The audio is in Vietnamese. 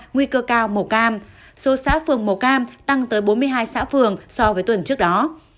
nguy cơ cao màu cam số xã phường mù cam tăng tới bốn mươi hai xã phường so với tuần trước đó